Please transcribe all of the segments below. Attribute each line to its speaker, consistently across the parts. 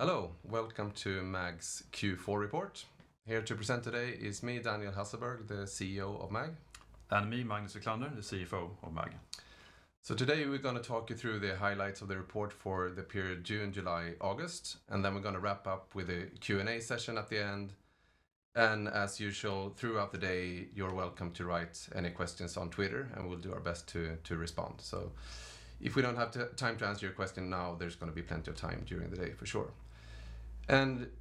Speaker 1: Hello, welcome to MAG's Q4 report. Here to present today is me, Daniel Hasselberg, the CEO of MAG.
Speaker 2: Me, Magnus Wiklander, the CFO of MAG.
Speaker 1: Today we're going to talk you through the highlights of the report for the period June, July, August, and then we're going to wrap up with a Q&A session at the end. As usual, throughout the day, you're welcome to write any questions on Twitter, and we'll do our best to respond. If we don't have time to answer your question now, there's going to be plenty of time during the day for sure.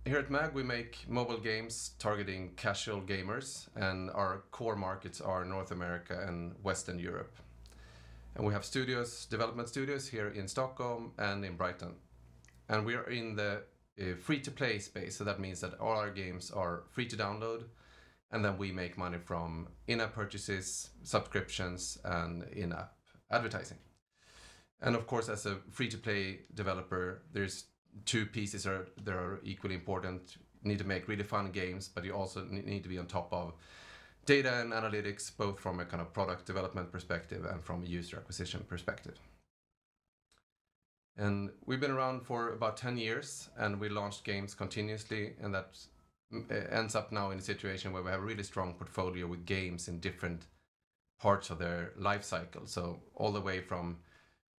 Speaker 1: Here at MAG, we make mobile games targeting casual gamers, and our core markets are North America and Western Europe. We have development studios here in Stockholm and in Brighton. We are in the free-to-play space, so that means that all our games are free to download, and then we make money from in-app purchases, subscriptions, and in-app advertising. Of course, as a free-to-play developer, there's two pieces that are equally important. You need to make really fun games, you also need to be on top of data and analytics, both from a product development perspective and from a user acquisition perspective. We've been around for about 10 years, we launch games continuously, that ends up now in a situation where we have a really strong portfolio with games in different parts of their lifecycle. All the way from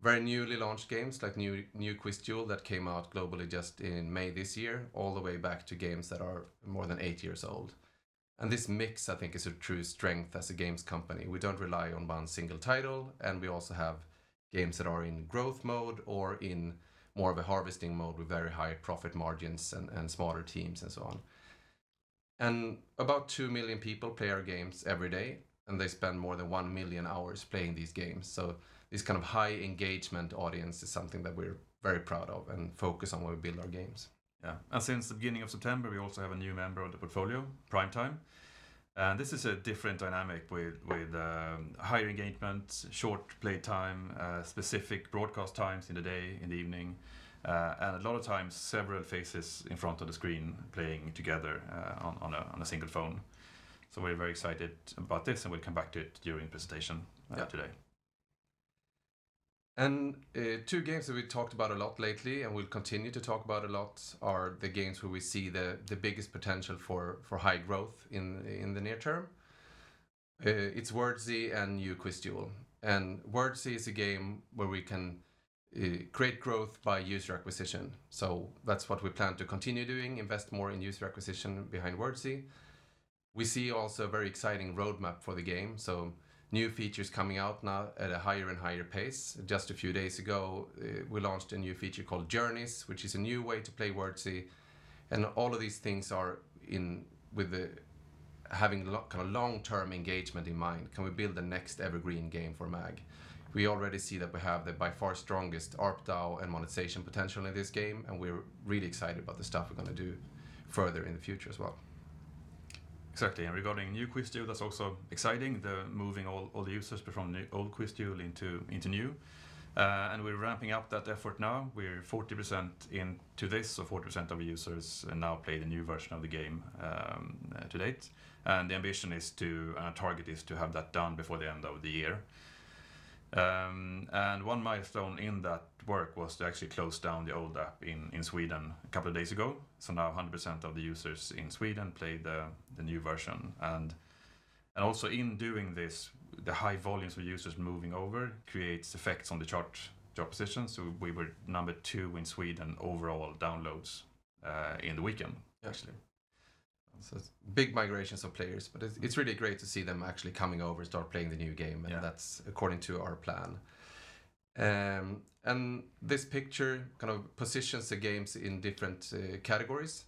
Speaker 1: very newly launched games, like New QuizDuel that came out globally just in May this year, all the way back to games that are more than eight years old. This mix, I think, is our true strength as a games company. We don't rely on one single title, and we also have games that are in growth mode or in more of a harvesting mode with very high profit margins and smaller teams and so on. About 2 million people play our games every day, and they spend more than 1 million hours playing these games. This kind of high engagement audience is something that we're very proud of and focus on when we build our games.
Speaker 2: Yeah. Since the beginning of September, we also have a new member of the portfolio, Primetime. This is a different dynamic with higher engagement, short playtime, specific broadcast times in the day, in the evening, and a lot of times several faces in front of the screen playing together on a single phone. We're very excited about this, and we'll come back to it during the presentation today.
Speaker 1: Yeah. Two games that we've talked about a lot lately and we'll continue to talk about a lot are the games where we see the biggest potential for high growth in the near term. It's Wordzee and New QuizDuel. Wordzee is a game where we can create growth by user acquisition. That's what we plan to continue doing, invest more in user acquisition behind Wordzee. We see also a very exciting roadmap for the game, so new features coming out now at a higher and higher pace. Just a few days ago, we launched a new feature called Journeys, which is a new way to play Wordzee. All of these things are having long-term engagement in mind. Can we build the next evergreen game for MAG? We already see that we have the by far strongest ARPDAU and monetization potential in this game, and we're really excited about the stuff we're going to do further in the future as well.
Speaker 2: Exactly. Regarding New QuizDuel, that's also exciting, the moving all the users from the old QuizDuel into new. We're ramping up that effort now. We're 40% in to this, so 40% of users now play the new version of the game to date. The ambition and target is to have that done before the end of the year. One milestone in that work was to actually close down the old app in Sweden a couple of days ago. Now 100% of the users in Sweden play the new version. Also in doing this, the high volumes of users moving over creates effects on the chart position. We were number two in Sweden overall downloads in the weekend, actually.
Speaker 1: Yes. It's big migrations of players, but it's really great to see them actually coming over, start playing the new game.
Speaker 2: Yeah.
Speaker 1: That's according to our plan. This picture positions the games in different categories.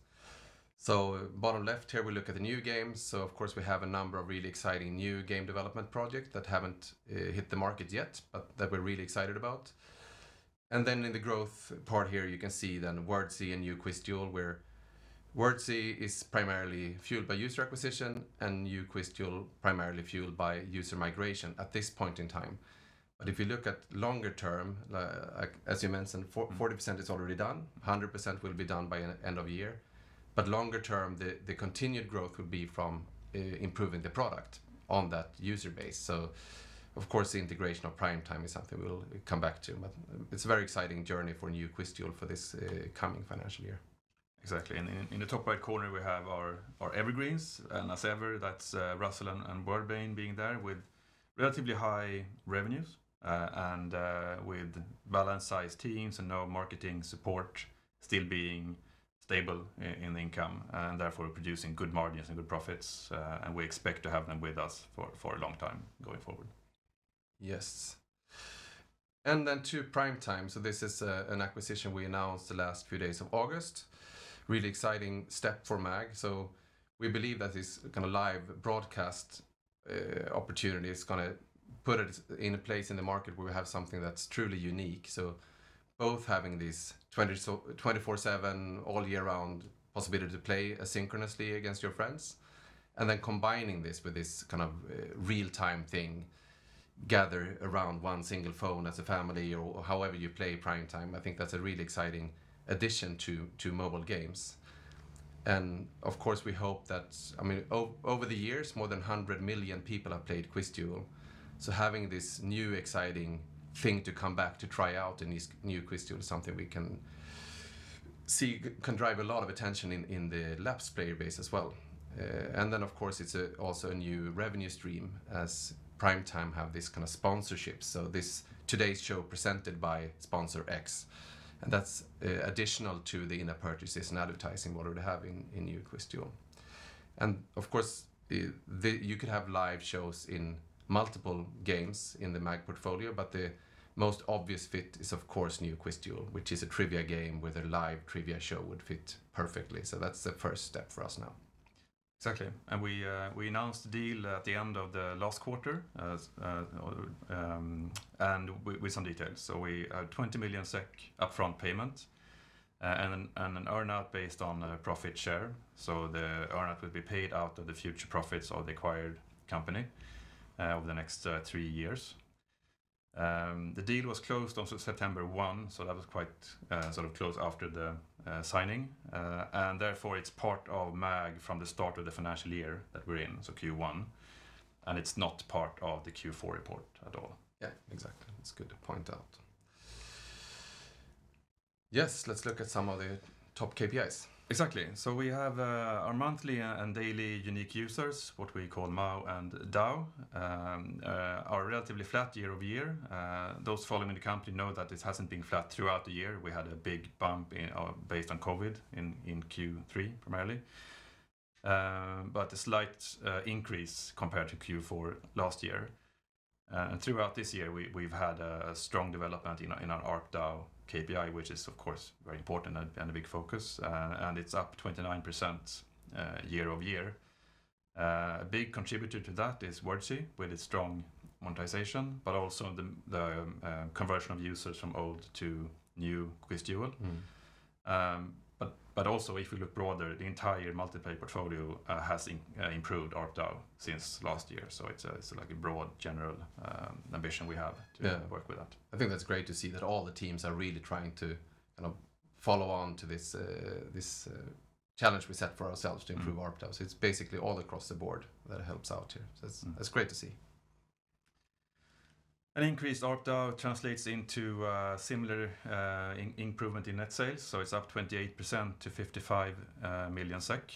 Speaker 1: Bottom left here, we look at the new games. Of course, we have a number of really exciting new game development projects that haven't hit the market yet, but that we're really excited about. In the growth part here, you can see then Wordzee and New QuizDuel, where Wordzee is primarily fueled by user acquisition and New QuizDuel primarily fueled by user migration at this point in time. If you look at longer term, as you mentioned, 40% is already done, 100% will be done by end of year. Longer term, the continued growth would be from improving the product on that user base. Of course, the integration of Primetime is something we'll come back to. It's a very exciting journey for New QuizDuel for this coming financial year.
Speaker 2: Exactly. In the top right corner, we have our evergreens.
Speaker 1: Yes.
Speaker 2: As ever, that's Ruzzle and WordBrain being there with relatively high revenues, and with balanced size teams and no marketing support still being stable in income, and therefore producing good margins and good profits. We expect to have them with us for a long time going forward.
Speaker 1: Yes. Then to Primetime. This is an acquisition we announced the last few days of August. Really exciting step for MAG. We believe that this live broadcast opportunity is going to put us in a place in the market where we have something that's truly unique. Both having this 24/7 all year round possibility to play asynchronously against your friends, then combining this with this real-time thing, gather around one single phone as a family or however you play Primetime. I think that's a really exciting addition to mobile games. Of course, we hope that. Over the years, more than 100 million people have played QuizDuel. Having this new exciting thing to come back to try out in this New QuizDuel is something we can drive a lot of attention in the lapsed player base as well. Of course, it's also a new revenue stream as Primetime have this kind of sponsorship. This today's show presented by Sponsor X, and that's additional to the in-app purchases and advertising what we have in New QuizDuel. Of course, you could have live shows in multiple games in the MAG portfolio, but the most obvious fit is, of course, New QuizDuel, which is a trivia game where their live trivia show would fit perfectly. That's the first step for us now.
Speaker 2: Exactly. We announced the deal at the end of the last quarter, and with some details. 20 million SEK upfront payment, and an earn-out based on a profit share. The earn-out will be paid out of the future profits of the acquired company over the next three years. The deal was closed on September 1, so that was quite close after the signing. Therefore, it's part of MAG from the start of the financial year that we're in, so Q1, and it's not part of the Q4 report at all.
Speaker 1: Yeah, exactly. That's good to point out. Yes, let's look at some of the top KPIs.
Speaker 2: Exactly. We have our monthly and daily unique users, what we call MAU and DAU, are relatively flat year-over-year. Those following the company know that it hasn't been flat throughout the year. We had a big bump based on COVID in Q3 primarily. A slight increase compared to Q4 last year. Throughout this year, we've had a strong development in our ARPDAU KPI, which is, of course, very important and a big focus. It's up 29% year-over-year. A big contributor to that is Wordzee with its strong monetization, but also the conversion of users from old to New QuizDuel. Also if we look broader, the entire multi-player portfolio has improved ARPDAU since last year. It's a broad general ambition we have.
Speaker 1: Yeah
Speaker 2: To work with that.
Speaker 1: I think that's great to see that all the teams are really trying to follow on to this challenge we set for ourselves to improve ARPDAU. It's basically all across the board that helps out here. That's great to see.
Speaker 2: An increased ARPDAU translates into a similar improvement in net sales. It's up 28% to 55 million SEK.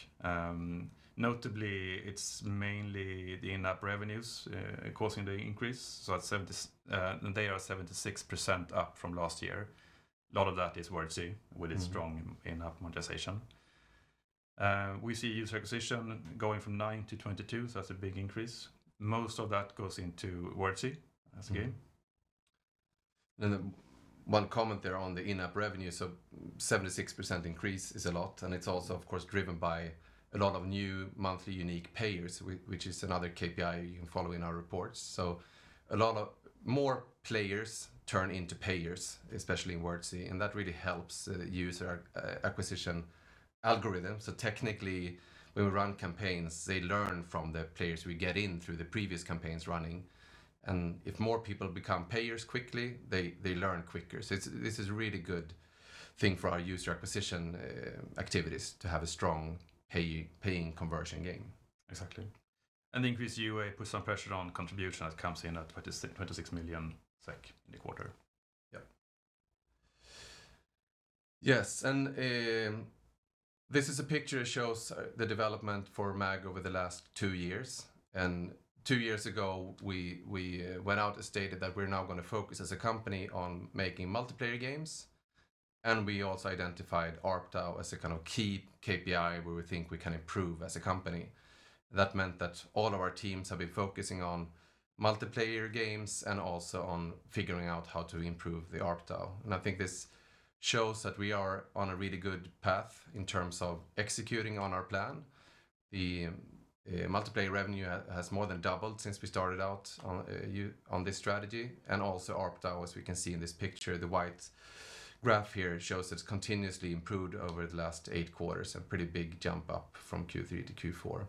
Speaker 2: Notably, it's mainly the in-app revenues causing the increase. They are 76% up from last year. A lot of that is Wordzee with its strong in-app monetization. We see user acquisition going from 9 - 22. That's a big increase. Most of that goes into Wordzee as a game.
Speaker 1: One comment there on the in-app revenue, 76% increase is a lot, and it is also, of course, driven by a lot of new monthly unique payers, which is another KPI you can follow in our reports. A lot of more players turn into payers, especially in Wordzee, and that really helps the user acquisition algorithm. Technically, when we run campaigns, they learn from the players we get in through the previous campaigns running. If more people become payers quickly, they learn quicker. This is a really good thing for our user acquisition activities to have a strong paying conversion game.
Speaker 2: Exactly. Increased UA put some pressure on contribution that comes in at 26 million SEK in the quarter.
Speaker 1: Yes, this is a picture that shows the development for MAG over the last two years. Two years ago, we went out and stated that we're now going to focus as a company on making multiplayer games. We also identified ARPDAU as a kind of key KPI where we think we can improve as a company. That meant that all of our teams have been focusing on multiplayer games and also on figuring out how to improve the ARPDAU. I think this shows that we are on a really good path in terms of executing on our plan. The multiplayer revenue has more than doubled since we started out on this strategy, and also ARPDAU, as we can see in this picture. The white graph here shows it's continuously improved over the last eight quarters, a pretty big jump up from Q3 - Q4.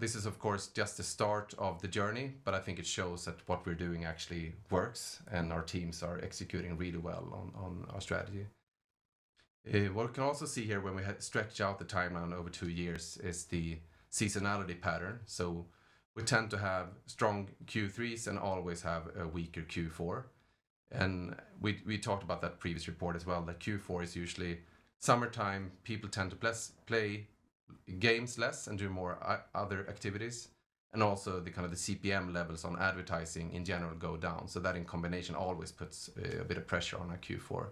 Speaker 1: This is, of course, just the start of the journey, but I think it shows that what we're doing actually works, and our teams are executing really well on our strategy. What we can also see here when we stretch out the timeline over two years is the seasonality pattern. We tend to have strong Q3s and always have a weaker Q4. We talked about that previous report as well, that Q4 is usually summertime. People tend to play games less and do more other activities. Also the CPM levels on advertising in general go down. That in combination always puts a bit of pressure on our Q4.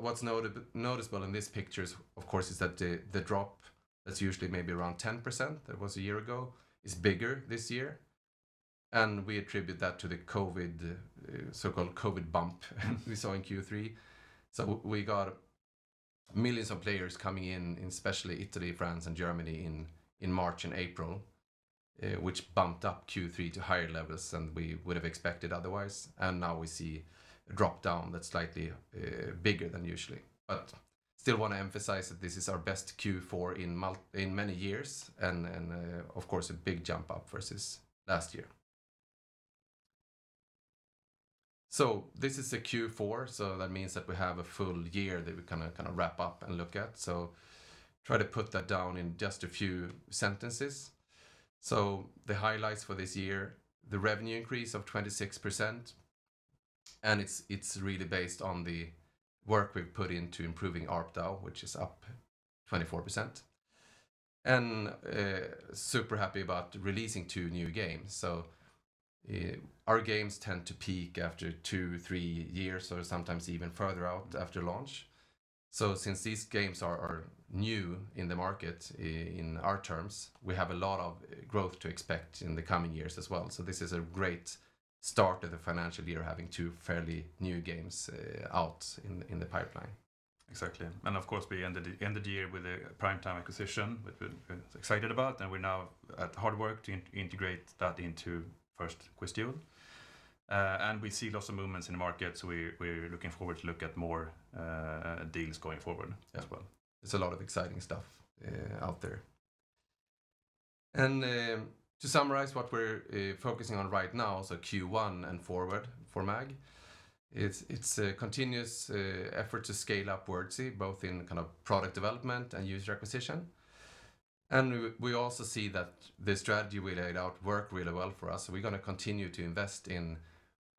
Speaker 1: What's noticeable in this picture, of course, is that the drop that's usually maybe around 10%, that was a year ago, is bigger this year, and we attribute that to the so-called COVID bump we saw in Q3. We got millions of players coming in, especially Italy, France, and Germany in March and April, which bumped up Q3 to higher levels than we would have expected otherwise. Now we see a drop-down that's slightly bigger than usually. Still want to emphasize that this is our best Q4 in many years, and of course, a big jump up versus last year. This is the Q4, so that means that we have a full year that we wrap up and look at. Try to put that down in just a few sentences. The highlights for this year, the revenue increase of 26%, and it's really based on the work we've put into improving ARPDAU, which is up 24%. Super happy about releasing two new games. Our games tend to peak after two, three years or sometimes even further out after launch. Since these games are new in the market, in our terms, we have a lot of growth to expect in the coming years as well. This is a great start of the financial year, having two fairly new games out in the pipeline.
Speaker 2: Exactly. Of course, we ended the year with a Primetime acquisition, which we're excited about, and we're now at hard work to integrate that into first QuizDuel. We see lots of movements in the market, so we're looking forward to look at more deals going forward as well.
Speaker 1: There's a lot of exciting stuff out there. To summarize what we're focusing on right now, so Q1 and forward for MAG, it's a continuous effort to scale up Wordzee, both in product development and user acquisition. We're going to continue to invest in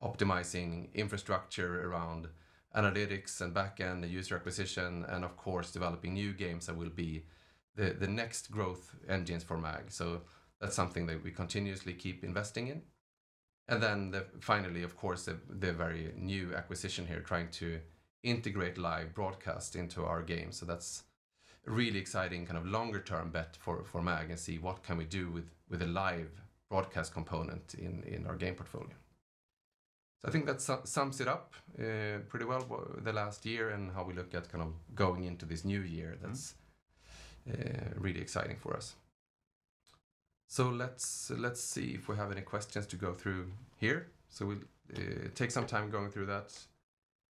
Speaker 1: optimizing infrastructure around analytics and back-end user acquisition, and of course, developing new games that will be the next growth engines for MAG. That's something that we continuously keep investing in. Finally, of course, the very new acquisition here, trying to integrate live broadcast into our games. That's really exciting longer-term bet for MAG, and see what can we do with a live broadcast component in our game portfolio. I think that sums it up pretty well, the last year and how we look at going into this new year. That's really exciting for us. Let's see if we have any questions to go through here. We'll take some time going through that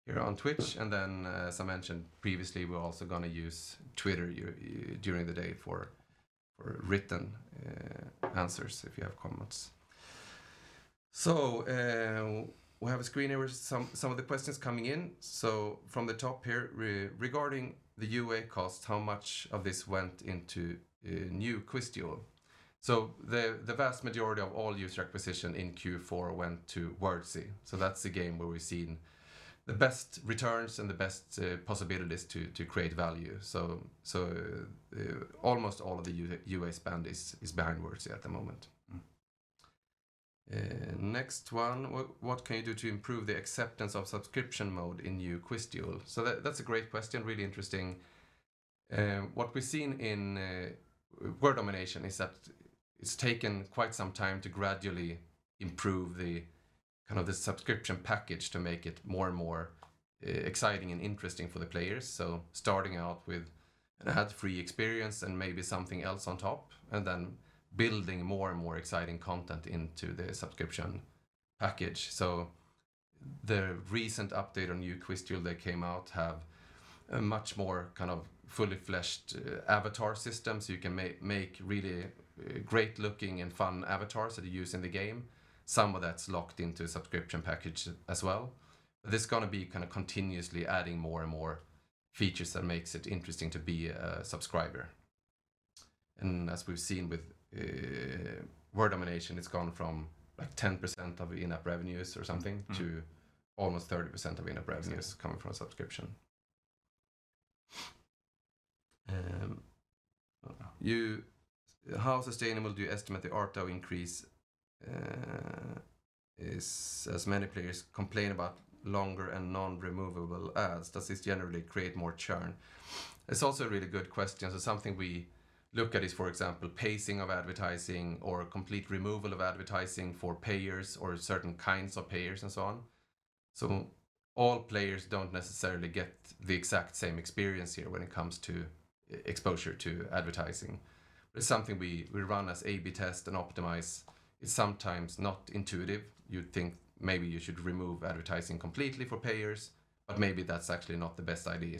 Speaker 1: here on Twitch. Then, as I mentioned previously, we're also going to use Twitter during the day for written answers if you have comments. We have a screen here with some of the questions coming in. From the top here, Regarding the UA cost, how much of this went into New QuizDuel? The vast majority of all user acquisition in Q4 went to Wordzee. That's the game where we've seen the best returns and the best possibilities to create value. Almost all of the UA spend is behind Wordzee at the moment. Next one. What can you do to improve the acceptance of subscription mode in New QuizDuel? That's a great question. Really interesting. What we've seen in Word Domination is that it's taken quite some time to gradually improve the subscription package to make it more and more exciting and interesting for the players. Starting out with an ad-free experience and maybe something else on top, and then building more and more exciting content into the subscription package. The recent update on New QuizDuel that came out have a much more fully fleshed avatar system, so you can make really great-looking and fun avatars that you use in the game. Some of that's locked into subscription package as well. There's going to be continuously adding more and more features that makes it interesting to be a subscriber. As we've seen with Word Domination, it's gone from 10% of in-app revenues or something to almost 30% of in-app revenues coming from subscription. How sustainable do you estimate the ARPDAU increase is, as many players complain about longer and non-removable ads? Does this generally create more churn? It's also a really good question. Something we look at is, for example, pacing of advertising or complete removal of advertising for payers or certain kinds of payers and so on. All players don't necessarily get the exact same experience here when it comes to exposure to advertising. It's something we run as A/B test and optimize. It's sometimes not intuitive. You'd think maybe you should remove advertising completely for payers, but maybe that's actually not the best idea.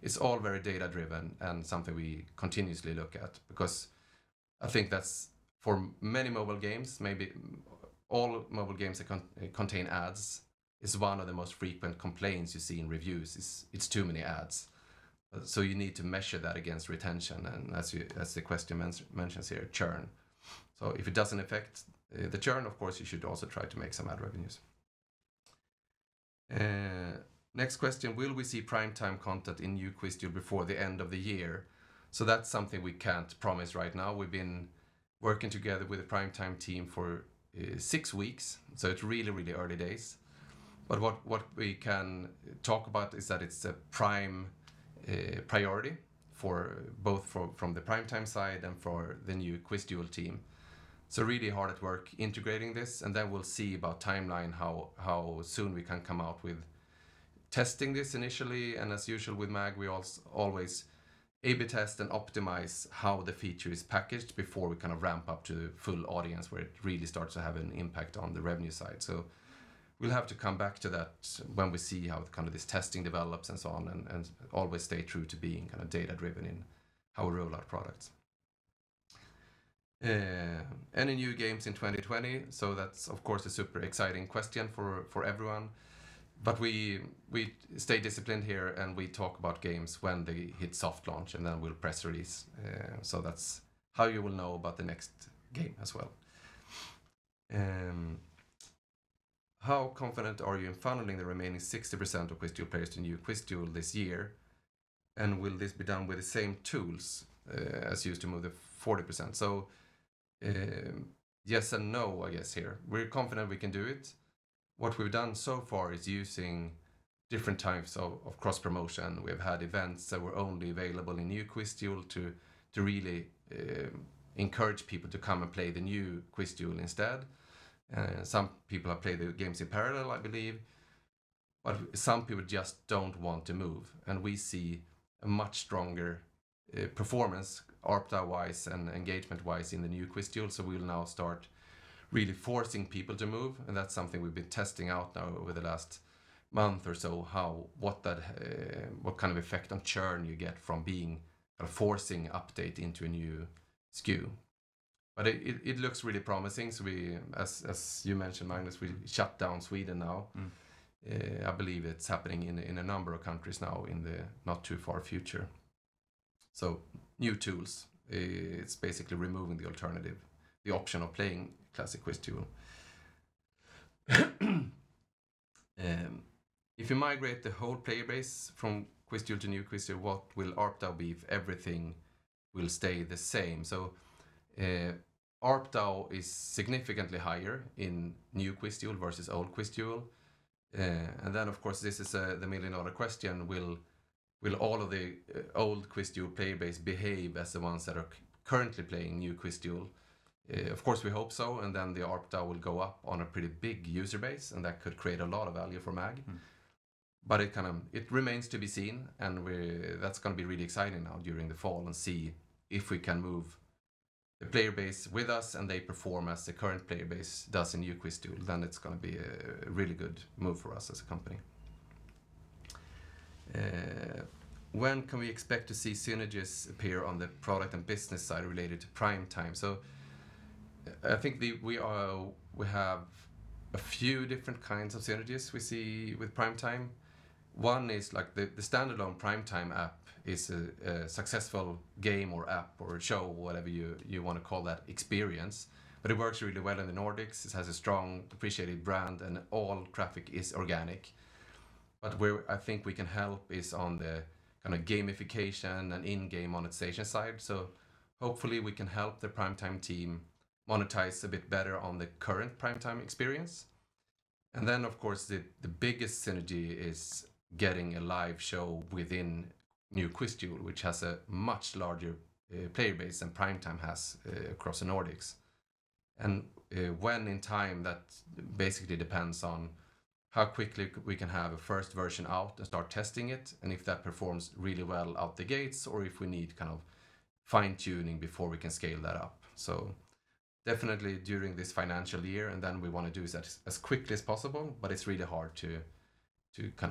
Speaker 1: It's all very data-driven and something we continuously look at because I think that's for many mobile games, maybe all mobile games that contain ads, is one of the most frequent complaints you see in reviews is it's too many ads. You need to measure that against retention, and as the question mentions here, churn. If it doesn't affect the churn, of course, you should also try to make some ad revenues. Next question. Will we see Primetime content in New QuizDuel before the end of the year? That's something we can't promise right now. We've been working together with the Primetime team for six weeks, so it's really early days. What we can talk about is that it's a prime priority both from the Primetime side and for the New QuizDuel team. Really hard at work integrating this, and then we'll see about timeline, how soon we can come out with testing this initially. As usual with MAG, we always A/B test and optimize how the feature is packaged before we ramp up to full audience where it really starts to have an impact on the revenue side. We'll have to come back to that when we see how this testing develops and so on, and always stay true to being data-driven in how we roll out products. Any new games in 2020? That's, of course, a super exciting question for everyone. We stay disciplined here, and we talk about games when they hit soft launch, and then we'll press release. That's how you will know about the next game as well. How confident are you in funneling the remaining 60% of QuizDuel players to New QuizDuel this year? Will this be done with the same tools as used to move the 40%? Yes and no, I guess here. We're confident we can do it. What we've done so far is using different types of cross-promotion. We've had events that were only available in New QuizDuel to really encourage people to come and play the New QuizDuel instead. Some people have played the games in parallel, I believe. Some people just don't want to move, and we see a much stronger performance ARPDAU-wise and engagement-wise in the New QuizDuel. We'll now start really forcing people to move, and that's something we've been testing out now over the last month or so, what kind of effect on churn you get from forcing update into a new SKU. It looks really promising. As you mentioned, Magnus, we shut down Sweden now. I believe it's happening in a number of countries now in the not too far future. New tools, it's basically removing the alternative, the option of playing classic QuizDuel. If you migrate the whole player base from QuizDuel to New QuizDuel, what will ARPDAU be if everything will stay the same? ARPDAU is significantly higher in New QuizDuel versus old QuizDuel. Then, of course, this is the million-dollar question, will all of the old QuizDuel player base behave as the ones that are currently playing New QuizDuel? Of course, we hope so, and then the ARPDAU will go up on a pretty big user base, and that could create a lot of value for MAG. It remains to be seen, and that's going to be really exciting now during the fall and see if we can move the player base with us, and they perform as the current player base does in New QuizDuel, then it's going to be a really good move for us as a company. When can we expect to see synergies appear on the product and business side related to Primetime? I think we have a few different kinds of synergies we see with Primetime. One is the standalone Primetime app is a successful game or app or show, whatever you want to call that experience. It works really well in the Nordics. It has a strong appreciated brand, and all traffic is organic. Where I think we can help is on the gamification and in-game monetization side. Hopefully we can help the Primetime team monetize a bit better on the current Primetime experience. Of course, the biggest synergy is getting a live show within New QuizDuel, which has a much larger player base than Primetime has across the Nordics. When in time, that basically depends on how quickly we can have a first version out and start testing it, and if that performs really well out the gates, or if we need fine-tuning before we can scale that up. Definitely during this financial year, and then we want to do that as quickly as possible, but it's really hard to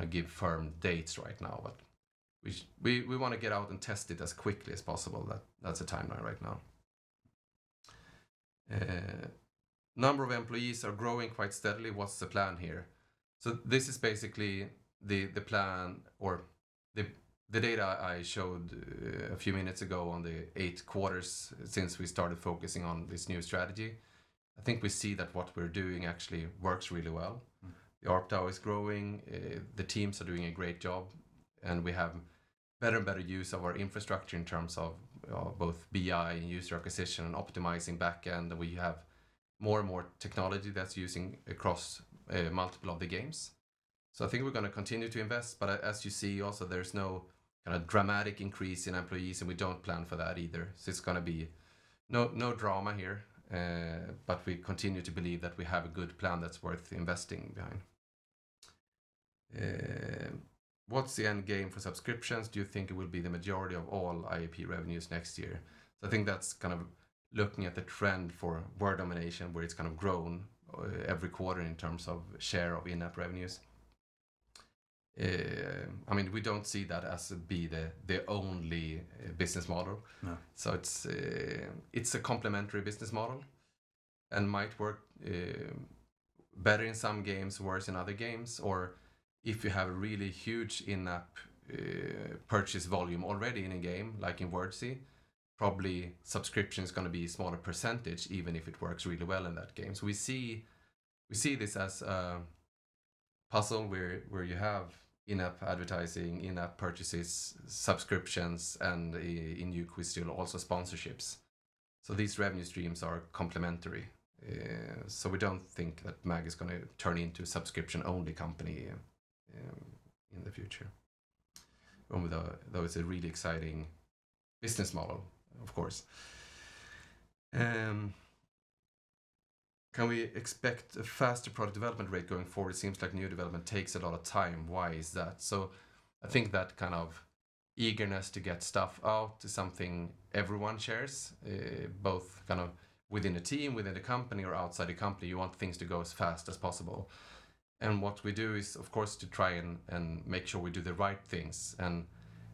Speaker 1: give firm dates right now. We want to get out and test it as quickly as possible. That's the timeline right now. Number of employees are growing quite steadily. What's the plan here? This is basically the plan or the data I showed a few minutes ago on the eight quarters since we started focusing on this new strategy. I think we see that what we're doing actually works really well. The ARPDAU is growing. The teams are doing a great job, and we have better and better use of our infrastructure in terms of both BI and user acquisition and optimizing back-end. We have more and more technology that's using across multiple of the games. I think we're going to continue to invest. As you see also, there's no dramatic increase in employees, and we don't plan for that either. It's going to be no drama here. We continue to believe that we have a good plan that's worth investing behind. What's the end game for subscriptions? Do you think it will be the majority of all IAP revenues next year? I think that's looking at the trend for Word Domination, where it's grown every quarter in terms of share of in-app revenues. We don't see that as to be the only business model.
Speaker 2: No.
Speaker 1: It's a complementary business model, and might work better in some games, worse in other games. If you have a really huge in-app purchase volume already in a game like in Wordzee, probably subscription is going to be a smaller percentage, even if it works really well in that game. We see this as a puzzle where you have in-app advertising, in-app purchases, subscriptions, and in New QuizDuel, also sponsorships. These revenue streams are complementary. We don't think that MAG is going to turn into a subscription-only company in the future. Although it's a really exciting business model, of course. Can we expect a faster product development rate going forward? It seems like new development takes a lot of time. Why is that? I think that eagerness to get stuff out is something everyone shares, both within a team, within a company, or outside a company. You want things to go as fast as possible. What we do is, of course, to try and make sure we do the right things, and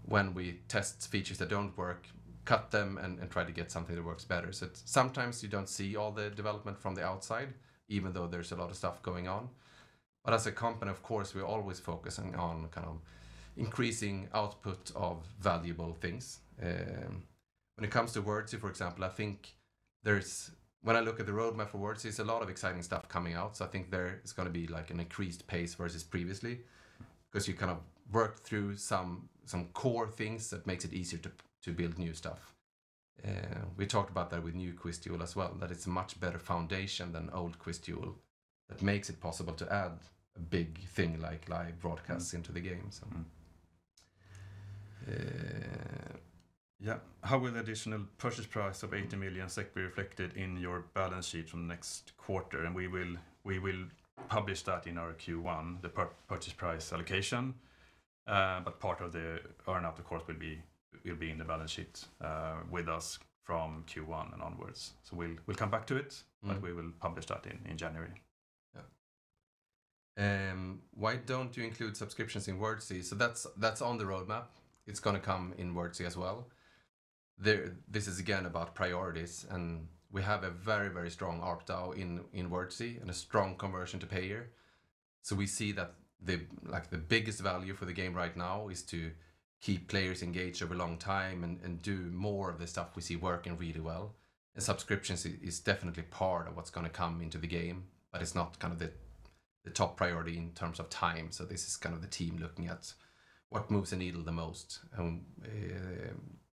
Speaker 1: when we test features that don't work, cut them and try to get something that works better. Sometimes you don't see all the development from the outside, even though there's a lot of stuff going on. As a company, of course, we're always focusing on increasing output of valuable things. When it comes to Wordzee, for example, when I look at the roadmap for Wordzee, it's a lot of exciting stuff coming out. I think there is going to be an increased pace versus previously, because you kind of work through some core things that makes it easier to build new stuff. We talked about that with New QuizDuel as well, that it's a much better foundation than old QuizDuel that makes it possible to add a big thing like live broadcasts into the game.
Speaker 2: Mm-hmm. How will the additional purchase price of 80 million SEK be reflected in your balance sheet from next quarter We will publish that in our Q1, the purchase price allocation. Part of the earn-out, of course, will be in the balance sheet with us from Q1 and onwards. We'll come back to it. We will publish that in January.
Speaker 1: Yeah. Why don't you include subscriptions in Wordzee? That's on the roadmap. It's going to come in Wordzee as well. This is again about priorities, and we have a very strong ARPDAU in Wordzee and a strong conversion to payer. We see that the biggest value for the game right now is to keep players engaged over a long time and do more of the stuff we see working really well. The subscriptions is definitely part of what's going to come into the game, but it's not the top priority in terms of time. This is the team looking at what moves the needle the most, and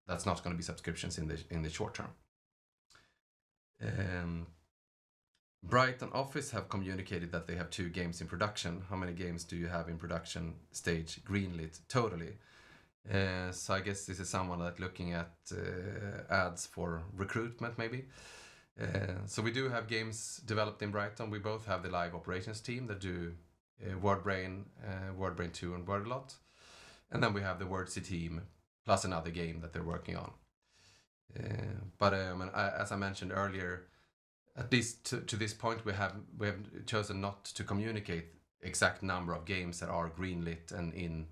Speaker 1: that's not going to be subscriptions in the short term. Brighton office have communicated that they have two games in production. How many games do you have in production stage green-lit totally? I guess this is someone looking at ads for recruitment maybe. We do have games developed in Brighton. We both have the live operations team that do WordBrain 2, and Wordalot. Then we have the Wordzee team, plus another game that they're working on. As I mentioned earlier, to this point, we have chosen not to communicate exact number of games that are green-lit and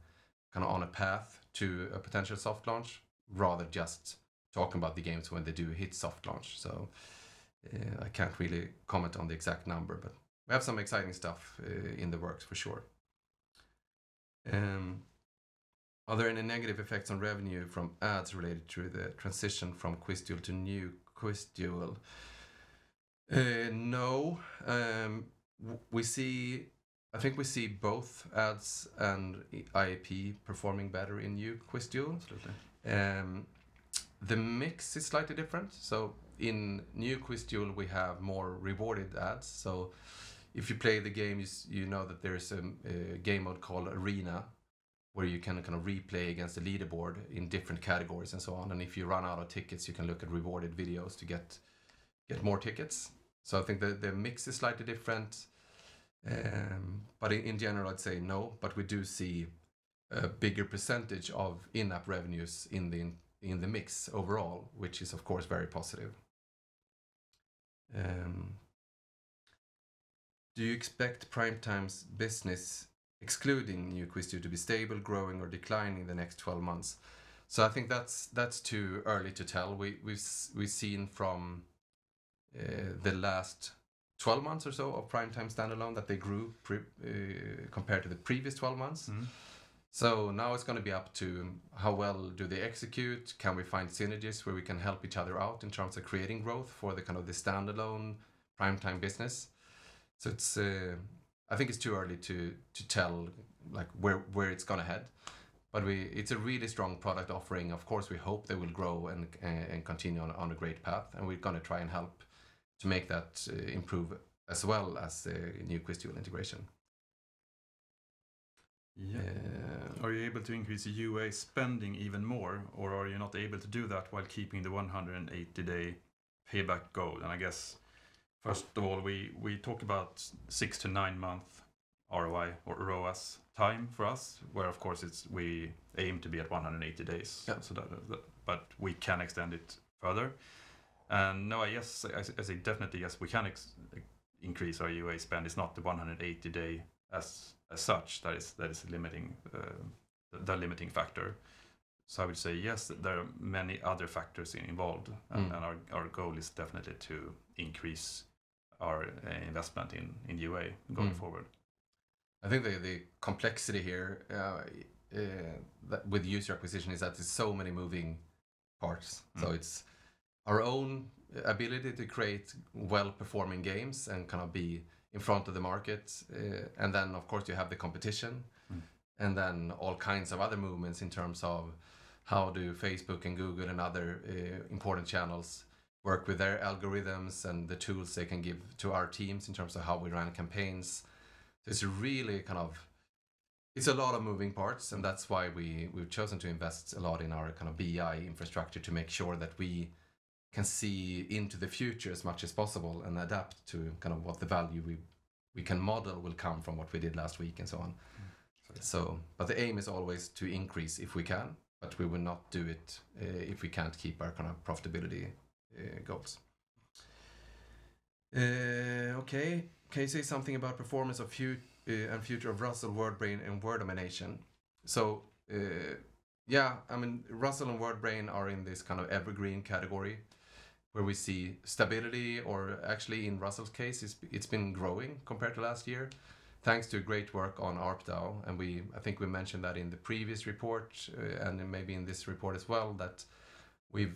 Speaker 1: on a path to a potential soft launch, rather just talking about the games when they do hit soft launch. I can't really comment on the exact number, but we have some exciting stuff in the works for sure. Are there any negative effects on revenue from ads related to the transition from QuizDuel to New QuizDuel? No. I think we see both ads and IAP performing better in New QuizDuel.
Speaker 2: Absolutely.
Speaker 1: The mix is slightly different. In New QuizDuel we have more rewarded ads. If you play the games, you know that there is a game mode called Arena where you can replay against the leaderboard in different categories and so on. If you run out of tickets, you can look at rewarded videos to get more tickets. I think the mix is slightly different. In general, I'd say no, but we do see a bigger percentage of in-app revenues in the mix overall, which is of course very positive. Do you expect Primetime's business, excluding New QuizDuel, to be stable, growing, or declining in the next 12 months? I think that's too early to tell. We've seen from the last 12 months or so of Primetime standalone that they grew compared to the previous 12 months. Now it's going to be up to how well do they execute? Can we find synergies where we can help each other out in terms of creating growth for the standalone Primetime business? I think it's too early to tell where it's going to head, but it's a really strong product offering. Of course, we hope they will grow and continue on a great path, and we're going to try and help to make that improve as well as the new QuizDuel integration.
Speaker 2: Yeah. Are you able to increase the UA spending even more, or are you not able to do that while keeping the 180-day payback goal? I guess first of all, we talk about 6-9 month ROI or ROAS time for us, where, of course, we aim to be at 180 days.
Speaker 1: Yeah.
Speaker 2: We can extend it further. No, I say definitely yes, we can increase our UA spend. It's not the 180-day as such that is the limiting factor. I would say yes, there are many other factors involved. Our goal is definitely to increase our investment in UA going forward.
Speaker 1: I think the complexity here with user acquisition is that there's so many moving parts. It's our own ability to create well-performing games and be in front of the market. Of course, you have the competition. All kinds of other movements in terms of how do Facebook and Google and other important channels work with their algorithms and the tools they can give to our teams in terms of how we run campaigns. It's a lot of moving parts, and that's why we've chosen to invest a lot in our BI infrastructure to make sure that we can see into the future as much as possible and adapt to what the value we can model will come from what we did last week and so on.
Speaker 2: Absolutely.
Speaker 1: The aim is always to increase if we can, but we will not do it if we can't keep our profitability goals. Okay. Can you say something about performance and future of Ruzzle, WordBrain, and Word Domination? Ruzzle and WordBrain are in this evergreen category where we see stability, or actually in Ruzzle's case, it's been growing compared to last year thanks to great work on ARPDAU. I think we mentioned that in the previous report, and then maybe in this report as well, that we've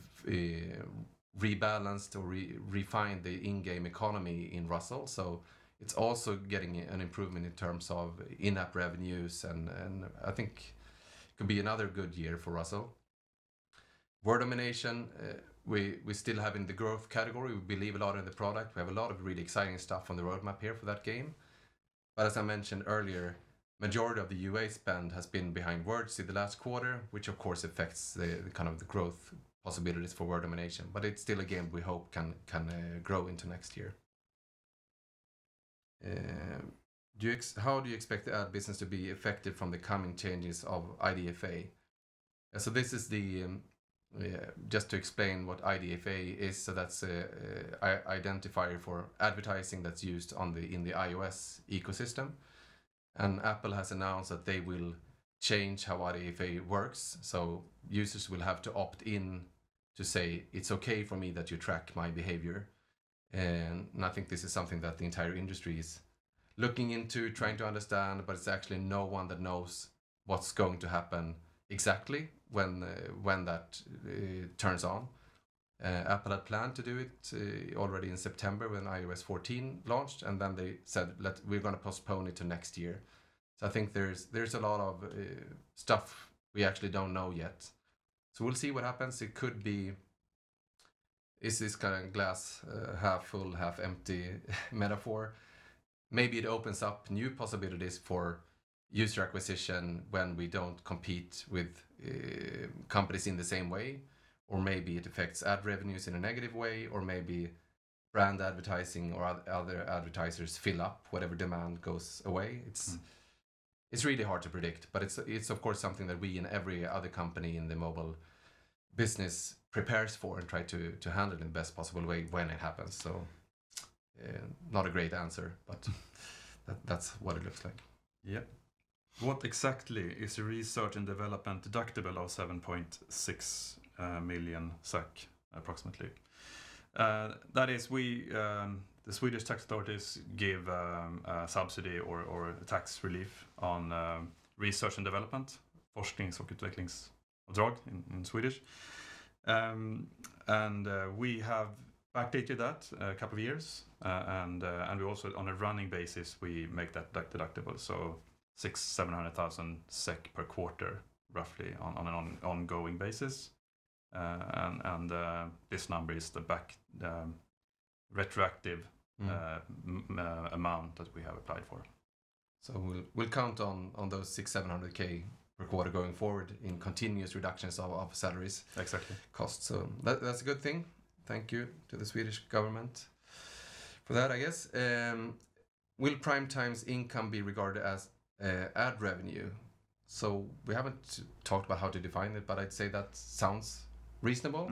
Speaker 1: rebalanced or refined the in-game economy in Ruzzle. It's also getting an improvement in terms of in-app revenues, and I think it could be another good year for Ruzzle. Word Domination, we still have in the growth category. We believe a lot in the product. We have a lot of really exciting stuff on the roadmap here for that game. As I mentioned earlier, majority of the UA spend has been behind Words in the last quarter, which of course affects the growth possibilities for Word Domination. It's still a game we hope can grow into next year. How do you expect the ad business to be affected from the coming changes of IDFA? Just to explain what IDFA is, that's identifier for advertising that's used in the iOS ecosystem, and Apple has announced that they will change how IDFA works. Users will have to opt in to say, It's okay for me that you track my behavior. I think this is something that the entire industry is looking into trying to understand, but it's actually no one that knows what's going to happen exactly when that turns on. Apple had planned to do it already in September when iOS 14 launched. They said, We're going to postpone it to next year. I think there's a lot of stuff we actually don't know yet. We'll see what happens. It could be, is this glass half full, half empty metaphor. Maybe it opens up new possibilities for user acquisition when we don't compete with companies in the same way, or maybe it affects ad revenues in a negative way, or maybe brand advertising or other advertisers fill up whatever demand goes away. It's really hard to predict, but it's of course something that we and every other company in the mobile business prepares for and try to handle in the best possible way when it happens. Not a great answer, but that's what it looks like.
Speaker 2: Yep. What exactly is the research and development deductible of SEK 7.6 million approximately? The Swedish tax authorities give a subsidy or a tax relief on research and development, forsknings- och utvecklingsavdrag in Swedish. We have backdated that a couple of years. We also, on a running basis, we make that deductible, so 600,000 SEK, 700,000 SEK per quarter, roughly, on an ongoing basis. This number is the retroactive amount that we have applied for.
Speaker 1: We'll count on those 600,000, 700,000 per quarter going forward in continuous reductions of salaries.
Speaker 2: Exactly
Speaker 1: Cost. That's a good thing. Thank you to the Swedish government for that, I guess. Will Primetime's income be regarded as ad revenue? We haven't talked about how to define it, but I'd say that sounds reasonable.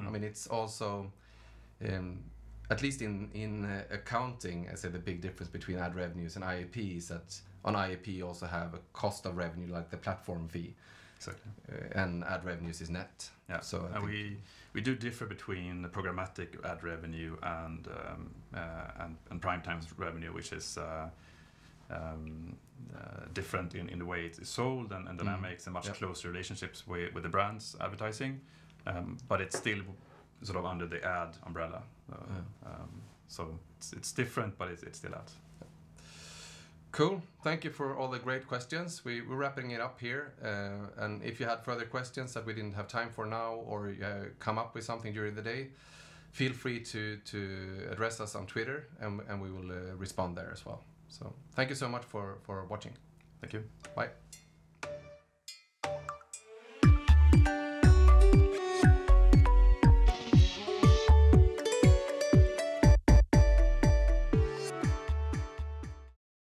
Speaker 1: At least in accounting, I'd say the big difference between ad revenues and IAP is that on IAP you also have a cost of revenue, like the platform fee.
Speaker 2: Exactly.
Speaker 1: Ad revenues is net.
Speaker 2: Yeah. We do differ between the programmatic ad revenue and Primetime's revenue, which is different in the way it is sold, and then that makes a much closer relationships with the brands advertising. It's still under the ad umbrella.
Speaker 1: Yeah.
Speaker 2: It's different, but it's still ads.
Speaker 1: Cool. Thank you for all the great questions. We're wrapping it up here. If you have further questions that we didn't have time for now or come up with something during the day, feel free to address us on Twitter, and we will respond there as well. Thank you so much for watching.
Speaker 2: Thank you.
Speaker 1: Bye.